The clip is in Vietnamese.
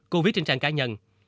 cô viết trên trang cá nhân